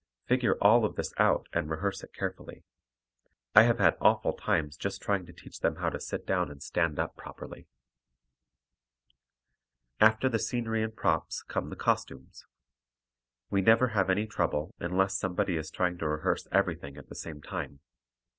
Figure all of this out and rehearse it carefully. I have had awful times just trying to teach them to sit down and stand up properly. [Illustration: A CORNER IN ONE OF THE LADIES' DRESSING ROOMS] After the scenery and props come the costumes. We never have any trouble unless somebody is trying to rehearse everything at the same time.